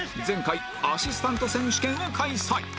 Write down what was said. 前回アシスタント選手権を開催